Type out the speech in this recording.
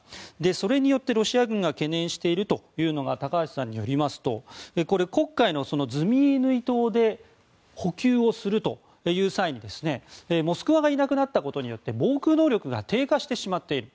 それによってロシア軍が懸念しているというのが高橋さんによりますと黒海のズミイヌイ島で補給をする際に「モスクワ」がいなくなったことによって防空能力が低下してしまっている。